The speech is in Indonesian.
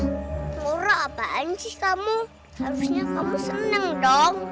maura apaan sih kamu harusnya kamu seneng dong